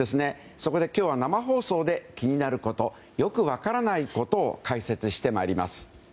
そこで今日は生放送で気になることよく分からないことを解説して参ります。